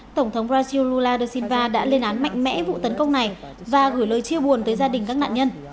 tổng thống brazil lula da silva đã lên án mạnh mẽ vụ tấn công này và gửi lời chia buồn tới gia đình các nạn nhân